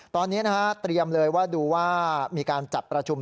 ตอนนี้นะครับตริยมเลยดูว่ามีการจับประชุม